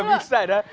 gak bisa dah